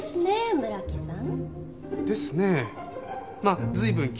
村木さん。